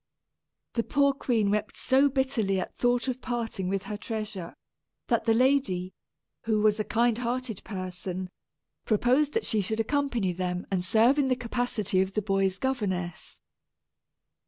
The poor queen wept so bitterly at thought of parting with her treasure, that the lady, who was a kind hearted person, proposed she should accompany them and serve in the capacity of the boy's governess.